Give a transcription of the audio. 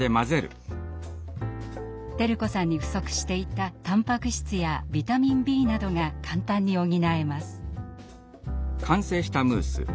輝子さんに不足していたタンパク質やビタミンＢなどが簡単に補えます。